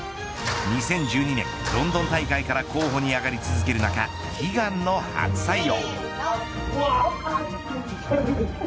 ２０１２年ロンドン大会から候補にあがり続ける中悲願の初採用。